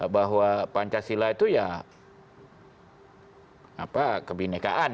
bahwa pancasila itu ya kebinekaan